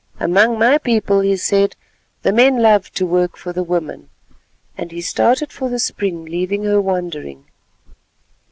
"Among my people," he said, "the men love to work for the women," and he started for the spring, leaving her wondering.